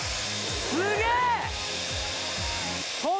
すげえ！